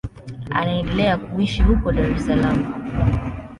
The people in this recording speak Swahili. Anaendelea kuishi huko Dar es Salaam.